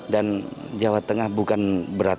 dan jawa tengah bukan berarti representatifnya